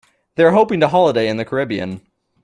They are hoping to holiday in the Caribbean.